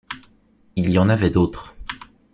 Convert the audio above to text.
Il y en avait d'autres.